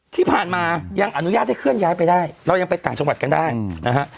ที่ผ่านมายังอนุญาตให้เคลื่อนย้ายไปได้เรายังไปต่างจังหวัดกันได้นะฮะ